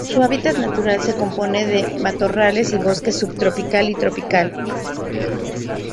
Su hábitat natural se compone de matorrales y bosque subtropical y tropical.